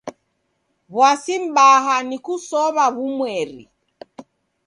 W'asi m'baa ni kusow'a w'umweri.